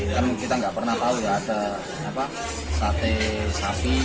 karena kita nggak pernah tahu ya ada sate sapi